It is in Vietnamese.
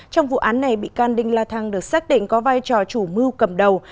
trong vụ án này bị can đinh la thăng được xác định có vai trò chủ mưu cầm đầu